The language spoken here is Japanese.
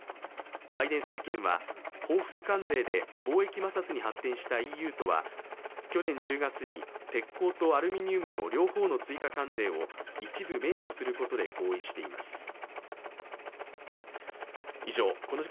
バイデン政権は報復関税で貿易摩擦に発展したＥＵとは去年１０月に鉄鋼とアルミニウムの両方の追加関税を一部免除することで合意しています。